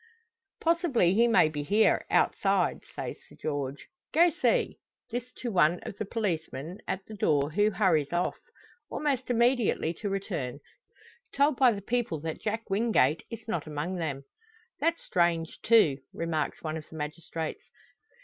"Possibly he may be here, outside," says Sir George. "Go see!" This to one of the policemen at the door, who hurries off. Almost immediately to return told by the people that Jack Wingate is not among them. "That's strange, too!" remarks one of the magistrates.